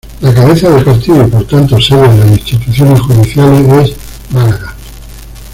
La cabeza de partido y por tanto sede de las instituciones judiciales es Málaga.